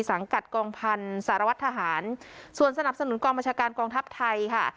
สังกัดกองพันธุ์สารวัตรทหารส่วนสนับสนุนกองบัญชาการกองทัพไทยค่ะ